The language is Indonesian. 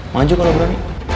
maju kalau berani